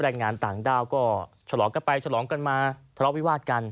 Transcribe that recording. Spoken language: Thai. แรงงานต่างด้าวก็ฉลองกันไปฉลองกันมาทะเลาะวิวาดกัน